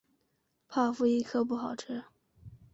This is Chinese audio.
泡芙一颗不好吃